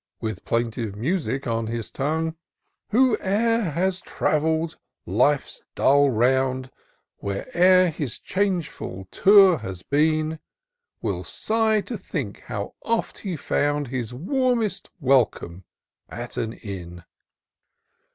With plaintive music on his tongue —" Whoe'er has travell'd life's dull round. Where'er his changeful tour has been. Will sigh to think how oft he found His warmest welcome at an inn."